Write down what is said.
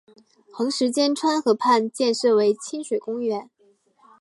横十间川河畔建设为亲水公园。